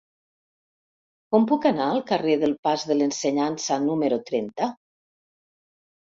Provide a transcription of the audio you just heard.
Com puc anar al carrer del Pas de l'Ensenyança número trenta?